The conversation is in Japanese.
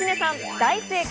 大正解。